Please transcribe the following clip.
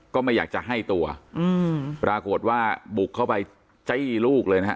ก็ไม่อยากจะให้ตัวอืมปรากฏว่าบุกเข้าไปจี้ลูกเลยนะฮะ